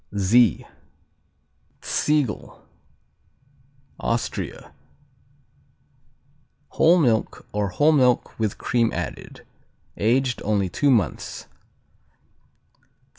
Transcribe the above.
Z Ziegel Austria Whole milk, or whole milk with cream added. Aged only two months.